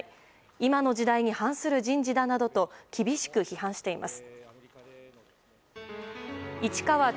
今の時代に反する人事だなどと厳しく批判しています。